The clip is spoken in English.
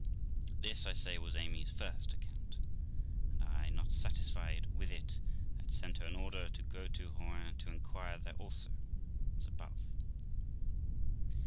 This, J say, was Amy's first account; and I, not satisfied with it, had sent her an order to go to Rouen to inquire there also, as above.